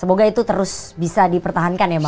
semoga itu terus bisa dipertahankan ya mbak